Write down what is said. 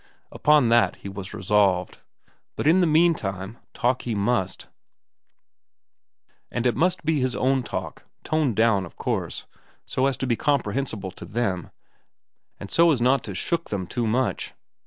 Upon that he was resolved. But in the meantime, talk he must, and it must be his own talk, toned down, of course, so as to be comprehensible to them and so as not to shock them too much.